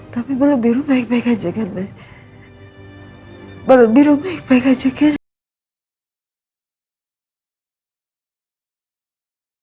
tapi malam biru baik baik aja kan